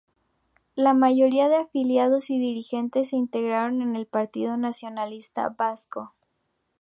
La mayoría de afiliados y dirigentes se integraron en el Partido Nacionalista Vasco.